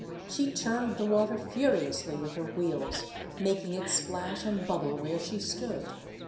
She churned the water furiously with her wheels, making it splash and bubble where she stood.